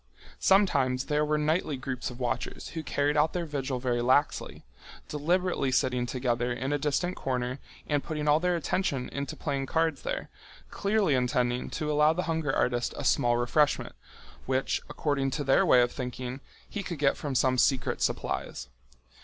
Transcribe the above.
Sometimes there were nightly groups of watchers who carried out their vigil very laxly, deliberately sitting together in a distant corner and putting all their attention into playing cards there, clearly intending to allow the hunger artist a small refreshment, which, according to their way of thinking, he could get from some secret supplies.